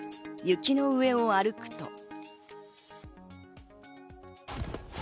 雪の上を歩くと。